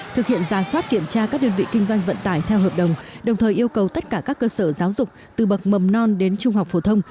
thực hiện ra soát kiểm tra các đơn vị kinh doanh vận tải theo hợp đồng đồng thời yêu cầu tất cả các cơ sở giáo dục từ bậc mầm non đến trung học phổ thông